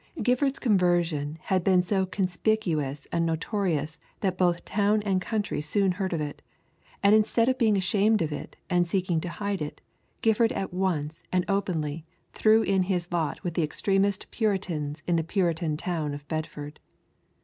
Gifford's conversion had been so conspicuous and notorious that both town and country soon heard of it: and instead of being ashamed of it, and seeking to hide it, Gifford at once, and openly, threw in his lot with the extremest Puritans in the Puritan town of Bedford.